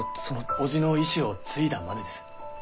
伯父の意志を継いだまでです。